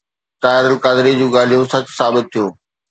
طاهر القادري جون ڳالهيون سچ ثابت ٿيون.